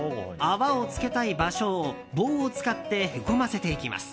泡をつけたい場所を棒を使ってへこませていきます。